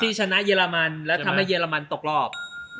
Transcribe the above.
ชนะเยอรมันและทำให้เยอรมันตกรอบ